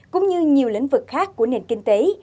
cũng như nhiều lĩnh vực khác của nền kinh tế